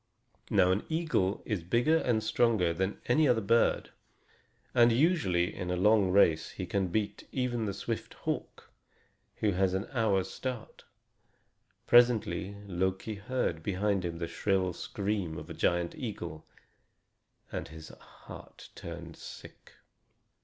Now an eagle is bigger and stronger than any other bird, and usually in a long race he can beat even the swift hawk who has an hour's start. Presently Loki heard behind him the shrill scream of a giant eagle, and his heart turned sick.